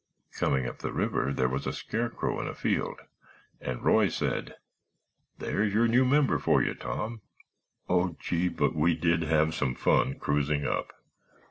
Coming up the river there was a scarecrow in a field and Roy said, 'There's your new member for you, Tom.' Oh, gee, but we did have some fun cruising up.